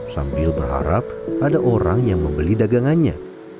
sambil berharap ada orang yang membeli dagangannya